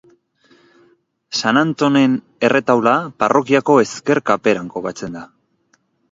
San Antonen erretaula parrokiako ezker kaperan kokatzen da.